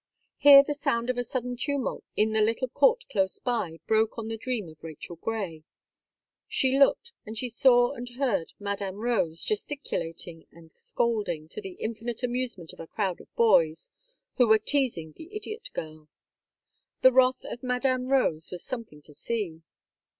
Here the sound of a sudden tumult in the little court close by, broke on the dream of Rachel Gray. She looked, and she saw and heard Madame Rose gesticulating and scolding, to the infinite amusement of a crowd of boys, who where teazing the idiot girl. The wrath of Madame Rose was something to see.